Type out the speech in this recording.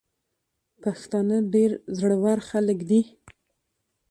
پښتانه ډير زړه ور خلګ دي.